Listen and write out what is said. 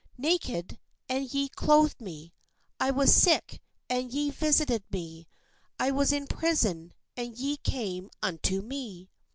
Naked, and ye clothed me : I was sick, and ye vis ited me: I was in prison, and ye came unto me."